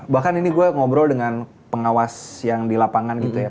bahkan ini gue ngobrol dengan pengawas yang di lapangan gitu ya